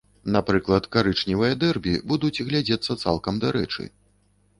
Напрыклад, карычневыя дэрбі будуць глядзецца цалкам дарэчы.